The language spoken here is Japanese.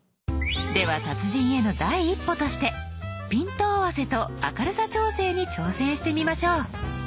では達人への第一歩としてピント合わせと明るさ調整に挑戦してみましょう。